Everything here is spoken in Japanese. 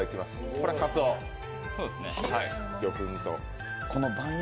これかつお、魚粉と。